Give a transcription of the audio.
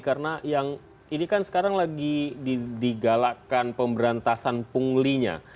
karena ini kan sekarang lagi digalakkan pemberantasan pungglinya